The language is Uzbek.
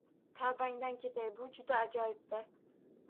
Tavbangdan ketay, bu juda ajoyib-da!